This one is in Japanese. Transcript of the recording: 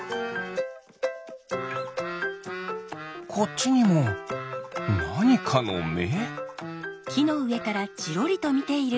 こっちにもなにかのめ？